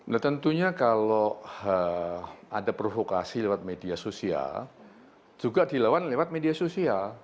nah tentunya kalau ada provokasi lewat media sosial juga dilawan lewat media sosial